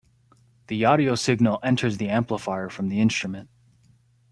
The audio signal enters the amplifier from the instrument.